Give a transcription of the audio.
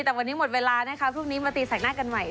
แต่วันนี้หมดเวลานะคะพรุ่งนี้มาตีแสกหน้ากันใหม่